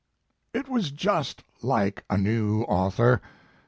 "It was just like a new author, s.